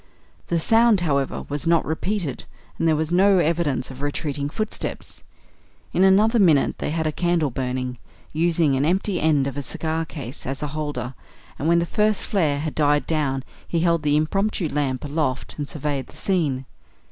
The sound, however, was not repeated; and there was no evidence of retreating footsteps. In another minute they had a candle burning, using an empty end of a cigar case as a holder; and when the first flare had died down he held the impromptu lamp aloft and surveyed the scene.